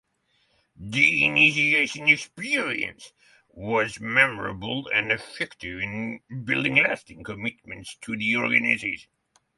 The initiation experience was memorable and effective in building lasting commitments to the organization.